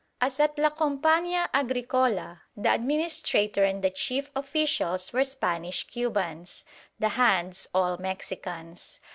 As at La Compañía Agricola, the administrator and the chief officials were Spanish Cubans, the "hands" all Mexicans.